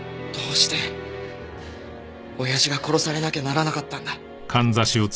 どうして親父が殺されなきゃならなかったんだ？